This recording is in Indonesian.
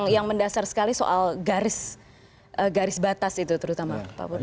yang mendasar sekali soal garis batas itu terutama pak budi